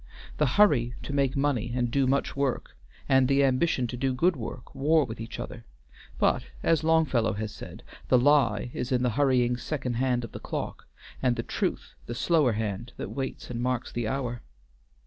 The hurry to make money and do much work, and the ambition to do good work, war with each other, but, as Longfellow has said, the lie is the hurrying second hand of the clock, and the truth the slower hand that waits and marks the hour.